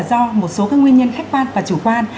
do một số nguyên nhân khách quan và chủ quan